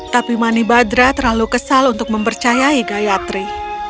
tapi manibhadra terlalu kesal untuk mempercayai gayatri